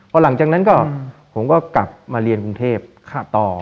พอหลังจากนั้นก็ผมก็กลับมาเรียนกรุงเทพต่อ